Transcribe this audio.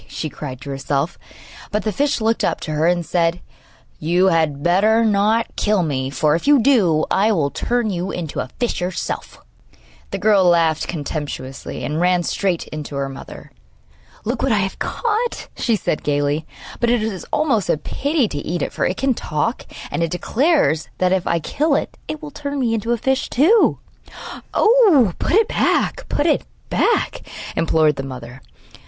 she cried to herself; but the fish looked up to her and said: 'You had better not kill me, for, if you do, I will turn you into a fish yourself!' The girl laughed contemptuously, and ran straight in to her mother. 'Look what I have caught,' she said gaily; 'but it is almost a pity to eat it, for it can talk, and it declares that, if I kill it, it will turn me into a fish too.' 'Oh, put it back, put it back!' implored the mother.